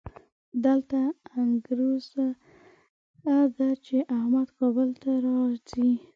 دلته انګروزه ده چې احمد کابل ته راځي.